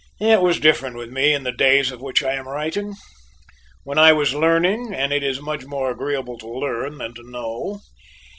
It was different with me in the days of which I am writing. Then I was learning, and it is more agreeable to learn than to know.